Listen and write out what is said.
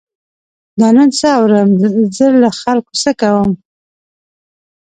دا نن څه اورم، زه له خلکو څه کوم.